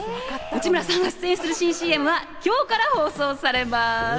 内村さんが出演する新ＣＭは今日から放送されます。